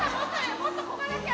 もっと漕がなきゃ！